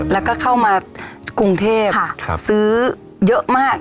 แล้วก็เข้ามากรุงเทพซื้อเยอะมาก